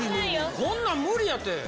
こんなん無理やて。